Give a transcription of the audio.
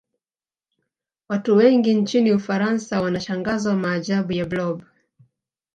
Watu wengi nchini ufaransa wanashangazwa maajabu ya blob